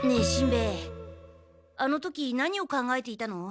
ヱあの時何を考えていたの？